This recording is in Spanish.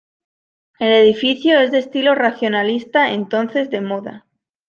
El edificio es del estilo racionalista entonces de moda.